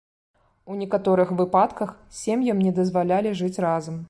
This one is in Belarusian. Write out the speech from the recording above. У некаторых выпадках сем'ям не дазвалялі жыць разам.